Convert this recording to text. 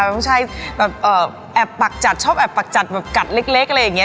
ผู้ชายแบบแอบปักจัดชอบแอบปักจัดแบบกัดเล็กอะไรอย่างนี้